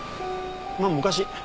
まあ昔。